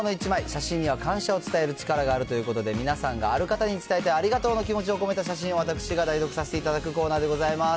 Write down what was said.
写真には感謝を伝える力があるということで、皆さんがある方に伝えたいありがとうの気持ちを込めたお写真を私が代読させていただくコーナーでございます。